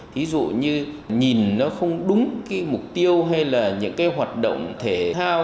thí dụ như nhìn nó không đúng cái mục tiêu hay là những cái hoạt động thể thao